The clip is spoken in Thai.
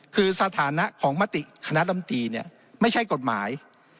คือสถานะของมติคณะลำตีเนี่ยไม่ใช่กฎหมาย